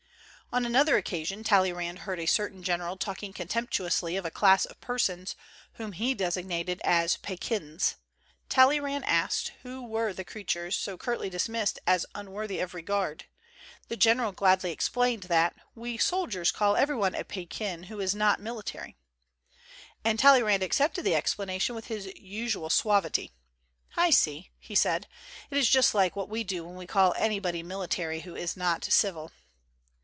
On another occasion Talleyrand heard a cer tain general talking contemptuously of a class of persons whom he designated as pekins. Talleyrand asked who were the creatures so curtly dismissed as unworthy of regard. The general gladly explained that, "We soldiers call 172 THE GENTLE ART OF REPARTEE everybody a pekin who is not military." And Talleyrand accepted the explanation with his usual suavity. "I see," he said, "it is just like what we do when we call anybody military who is not civil."